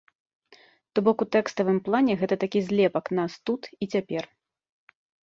То бок у тэкставым плане гэта такі злепак нас тут і цяпер.